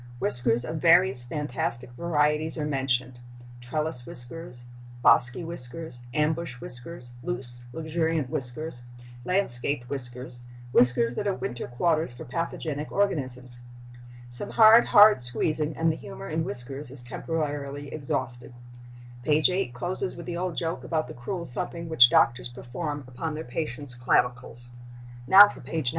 Whiskers of various fantastic varieties are mentioned—trellis whiskers, bosky whiskers, ambush whiskers, loose, luxuriant whiskers, landscaped whiskers, whiskers that are winter quarters for pathogenic organisms. Some hard, hard squeezing, and the humor in whiskers is temporarily exhausted. Page 8 closes with the old joke about the cruel thumping which doctors perform upon their patients' clavicles. Now for page 9.